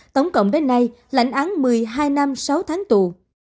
tổng cộng đến nay lãnh án một mươi hai năm sáu tháng tù